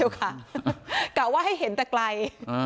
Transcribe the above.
กล่าวว่าให้เห็นแต่ไกล